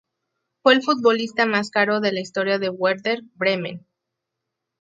Fue el futbolista más caro de la historia del Werder Bremen.